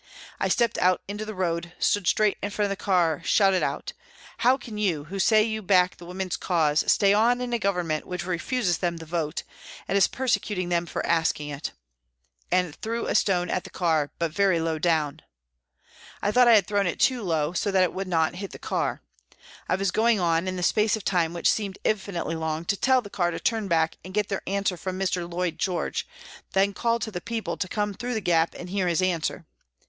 I stepped out into the road, stood straight in front of the car, shouted out " How can you, who say you back the women's cause, stay on in a Government which refuses them the vote, and is persecuting them for asking it," and threw a stone at the car, but very low down. I thought I had thrown it too low, so P2 212 PRISONS AND PRISONERS that it would not hit the car. I was going on, in the space of time which seemed infinitely long, to tell the car to turn back and get their answer from Mr. Lloyd George, then call to the people to come through the gap and hear his answer.